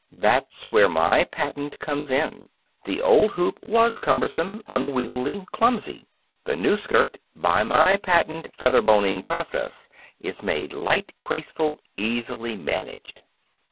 "That's where my patent comes in. The old hoop was cumbersome, unwieldy, clumsy. The new skirt, by my patent featherboning process, is made light, graceful, easily managed.